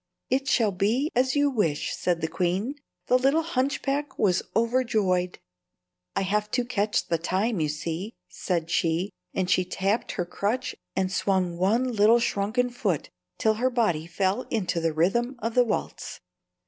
"It shall be as you wish," said the queen. The little hunchback was overjoyed. "I have to catch the time, you see," said she, and she tapped her crutch and swung one little shrunken foot till her body fell into the rhythm of the waltz.